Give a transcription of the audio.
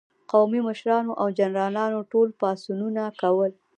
قومي مشرانو او جنرالانو ټول پاڅونونه کول.